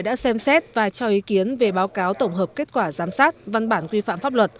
đã xem xét và cho ý kiến về báo cáo tổng hợp kết quả giám sát văn bản quy phạm pháp luật